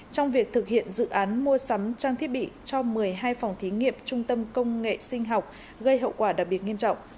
trong việc thực hiện dự án mua sắm trang thiết bị cho một mươi hai phòng thí nghiệm trung tâm công nghệ sinh học gây hậu quả đặc biệt nghiêm trọng